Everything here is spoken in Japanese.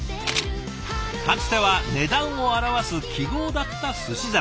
かつては値段を表す記号だった寿司皿。